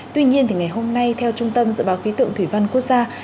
tuy nhiên ngày hôm nay theo trung tâm dự báo khí tượng thủy văn quốc gia